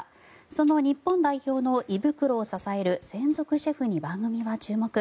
その日本代表の胃袋を支える専属シェフに番組は注目。